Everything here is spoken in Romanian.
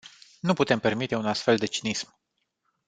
Nu putem permite un astfel de cinism.